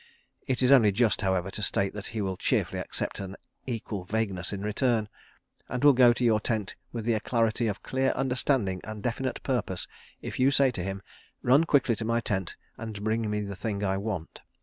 It is only just, however, to state that he will cheerfully accept an equal vagueness in return, and will go to your tent with the alacrity of clear understanding and definite purpose, if you say to him: "Run quickly to my tent and bring me the thing I want.